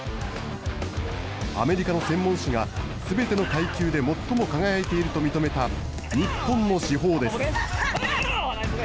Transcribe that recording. アメリカの専門誌が、すべての階級で最も輝いていると認めた日本の至宝です。